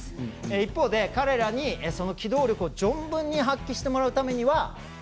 一方で、彼らに、その機動力を存分に発揮してもらうためにはこちら。